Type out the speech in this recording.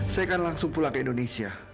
saya akan langsung pulang ke indonesia